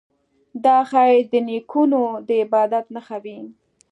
دا ښايي د نیکونو د عبادت نښه وي.